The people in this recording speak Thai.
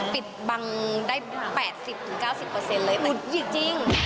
ปิดบังได้๘๐๙๐เลยหุดหยิกจริง